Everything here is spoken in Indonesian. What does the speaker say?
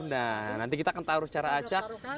dan nanti kita akan taruh secara acak